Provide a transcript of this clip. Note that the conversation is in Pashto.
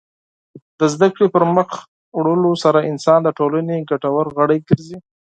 د زدهکړې پرمخ وړلو سره انسان د ټولنې ګټور غړی ګرځي.